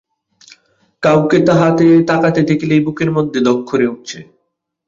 কাউকে তাকাতে দেখলেই বুকের মধ্যে ধক করে উঠছে।